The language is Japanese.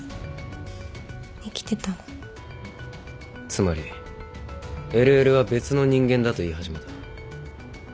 つまりＬＬは別の人間だと言い始めた。